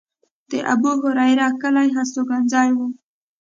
د ابوهریره کلی هستوګنځی و.